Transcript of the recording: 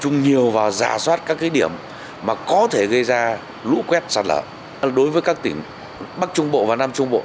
ngoài ra lũ quét sạt lở đối với các tỉnh bắc trung bộ và nam trung bộ